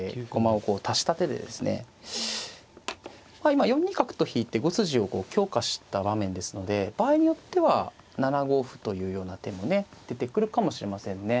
今４二角と引いて５筋をこう強化した場面ですので場合によっては７五歩というような手もね出てくるかもしれませんね。